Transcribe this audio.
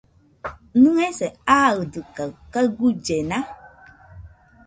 ¿Nɨese aɨdɨkaɨ kaɨ guillena?